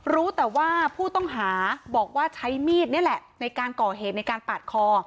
รู้แต่ว่าผู้ต้องหาบอกว่าใช้มีดนี่แหละในการก่อเหตุในการปาดคอ